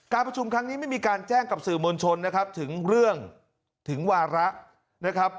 ประชุมครั้งนี้ไม่มีการแจ้งกับสื่อมวลชนนะครับถึงเรื่องถึงวาระนะครับ